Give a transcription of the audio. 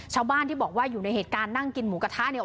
ชาวบ้านที่บอกว่าอยู่ในเหตุการณ์นั่งกินหมูกระทะเนี่ย